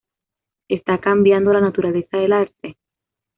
Está cambiando la naturaleza del Arte?